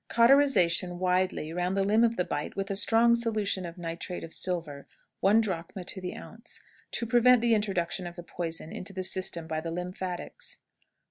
Cauterization widely round the limb of the bite with a strong solution of nitrate of silver, one drachm to the ounce, to prevent the introduction of the poison into the system by the lymphatics.